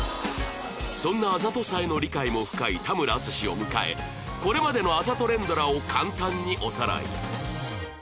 そんなあざとさへの理解も深い田村淳を迎えこれまでのあざと連ドラを簡単におさらい